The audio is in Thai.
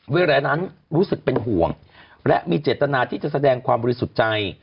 เวลานั้นรู้สึกเป็นห่วงและมีเจตนาที่จะแสดงความบริสุทธิ์ใจ